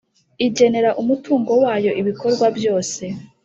Igenera umutungo wayo ibikorwa byose